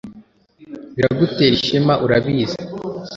biragutera ishema, urabizi